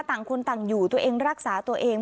ต่างคนต่างอยู่ตัวเองรักษาตัวเอง